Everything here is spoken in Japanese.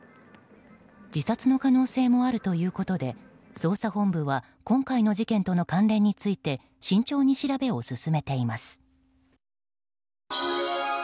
自殺の可能性もあるということで捜査本部は今回の事件との関連について慎重に調べを進めています。